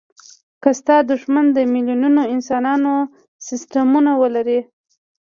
که ستا دوښمن د میلیونونو انسانانو سستمونه ولري.